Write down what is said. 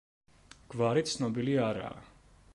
გვარი ცნობილი არაა.